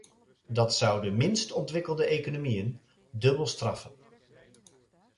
Dat zou de minst ontwikkelde economieën dubbel straffen.